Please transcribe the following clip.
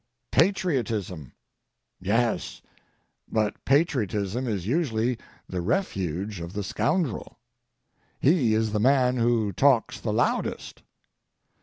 Patriotism! Yes; but patriotism is usually the refuge of the scoundrel. He is the man who talks the loudest.